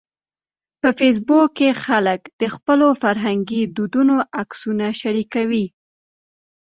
په فېسبوک کې خلک د خپلو فرهنګي دودونو عکسونه شریکوي